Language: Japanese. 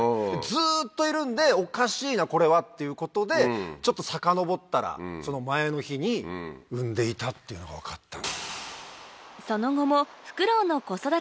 ずっといるんでおかしいなこれはっていうことでちょっとさかのぼったらその前の日に産んでいたっていうのが分かったんです。